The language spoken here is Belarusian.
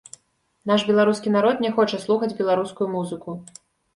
Наш беларускі народ не хоча слухаць беларускую музыку.